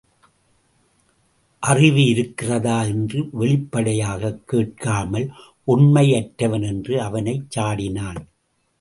அறிவு இருக்கிறதா என்று வெளிப்படையாகக் கேட்காமல் ஒண்மை அற்றவன் என்று அவனைச் சாடினான்.